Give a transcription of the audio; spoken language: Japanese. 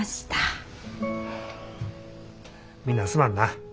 みんなすまんな。